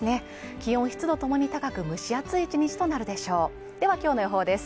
気温湿度ともに高く蒸し暑い１日となるでしょうではきょうの予報です